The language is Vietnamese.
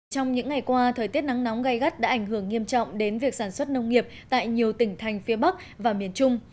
trong những ngày qua thời tiết nắng nóng gai gắt đã ảnh hưởng nghiêm trọng đến việc sản xuất nông nghiệp tại nhiều tỉnh thành phía bắc và miền trung